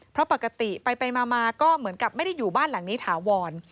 เพราะปกติไปมาก็เหมือนกับไม่ได้อยู่บ้านหลังนี้ถาวร